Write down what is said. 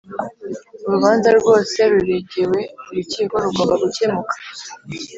Urubanza Rwose Ruregewe Urukiko Rugomba gukemuka